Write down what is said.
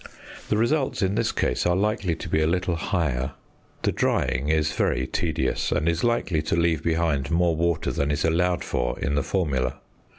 The results in this case are likely to be a little higher. The drying is very tedious, and is likely to leave behind more water than is allowed for in the formula.